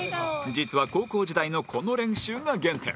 実は高校時代のこの練習が原点